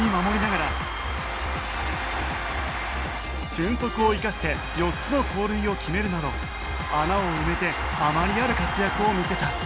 俊足を生かして４つの盗塁を決めるなど穴を埋めて余りある活躍を見せた。